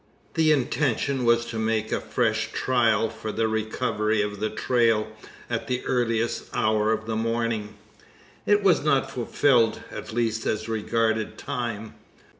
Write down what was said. The intention was to make a fresh trial for the recovery of the trail, at the earliest hour of the morning. It was not fulfilled, at least as regarded time.